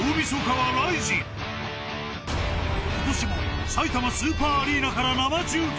［ことしもさいたまスーパーアリーナから生中継］